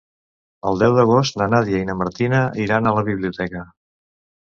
El deu d'agost na Nàdia i na Martina iran a la biblioteca.